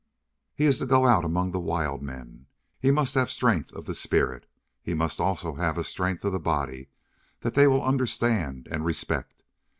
"He is to go out among wild men. He must have strength of the spirit. He must also have a strength of the body that they will understand and respect.